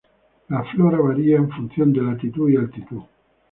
La flora varía en función de latitud y altitud.